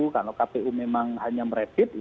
kalau kpu memang hanya merepit